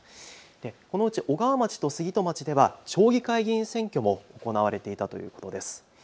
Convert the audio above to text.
このうち小川町と杉戸町では町議会議員選挙も行われていたということです。